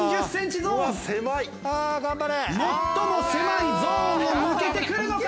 最も狭いゾーンを抜けてくるのか？